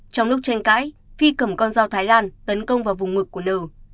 trong lúc tranh cãi phi cầm con dao thái lan tấn công vào vùng ngược của n